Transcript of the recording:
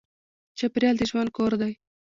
چاپېریال د ژوند کور دی.